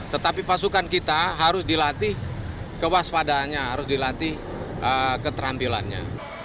tetapi pasukan kita harus dilatih kewaspadaannya harus dilatih keterampilannya